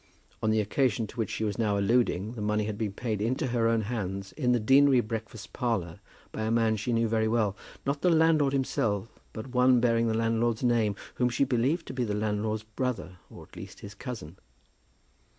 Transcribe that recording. On the occasion to which she was now alluding, the money had been paid into her own hands, in the deanery breakfast parlour, by a man she knew very well, not the landlord himself, but one bearing the landlord's name, whom she believed to be the landlord's brother, or at least his cousin.